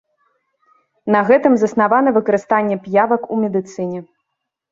На гэтым заснавана выкарыстанне п'явак у медыцыне.